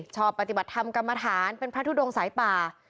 ชอบปฏิบัติธรรมกรรมฐานเป็นพระทุดงสายป่า